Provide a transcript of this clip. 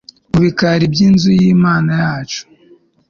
mu bikari by'inzu y'imana yacu